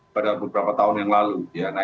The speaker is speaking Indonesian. pada beberapa tahun yang lalu